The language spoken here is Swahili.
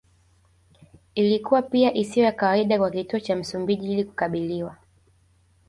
Ilikuwa pia isiyo ya kawaida kwa Kituo cha Msumbiji ili kukabiliwa